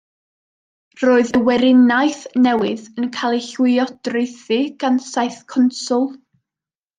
Roedd y weriniaeth newydd yn cael ei llywodraethu gan saith conswl.